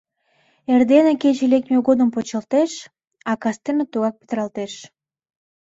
Эрдене кече лекме годым почылтеш, а кастене тугак петыралтеш.